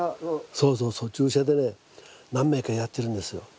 そうそうそう注射でね何名かやってるんですよ。